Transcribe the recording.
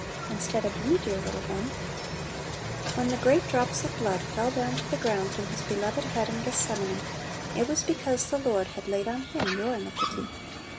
Instead of you, dear little one ! When the great drops of blood fell down to the ground from His beloved head in Gethsemane, it was because the Lord had laid on Him your iniquity.